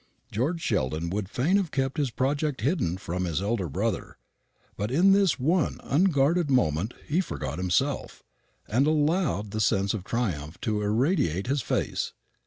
George Sheldon would fain have kept his project hidden from his elder brother; but in this one unguarded moment he forgot himself, and allowed the sense of triumph to irradiate his face.